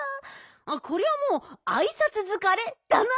あっこりゃもうあいさつづかれだな。